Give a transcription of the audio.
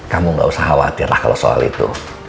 kamu gak usah khawatir lah kalau soal itu